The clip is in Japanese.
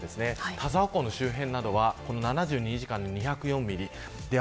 田沢湖の周辺などは７２時間で２０４ミリ。